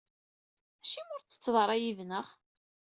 Acimi ur ttetteḍ ara yid-neɣ?